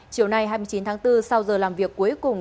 chiều nay hai mươi chín tháng bốn sau giờ làm việc cuối cùng